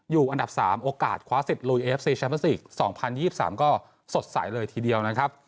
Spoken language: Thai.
อยู่อันดับสามโอกาสควาซิตลุยเอฟซีแชมป์สี่สองพันยี่สิบสามก็สดใสเลยทีเดียวนะครับ